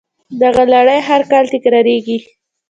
دغه لړۍ هر کال تکراریږي